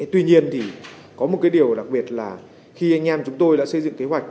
tuy nhiên thì có một điều đặc biệt là khi anh em chúng tôi đã xây dựng kế hoạch